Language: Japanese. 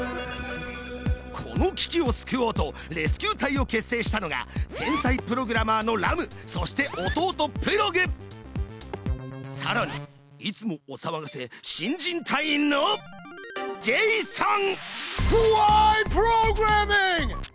この危機を救おうとレスキュー隊を結成したのが天才プログラマーのラムそして弟プログさらにいつもおさわがせ新人隊員のジェイソン！